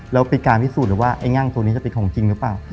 แล้วเป็นการพิสูจน์เลยว่าไอ้งั่งตัวนี้จะเป็นของจริงหรือเปล่า